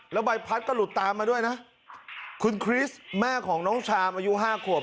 แล้วใบพัดก็หลุดตามมาด้วยนะคุณคริสแม่ของน้องชามอายุห้าขวบ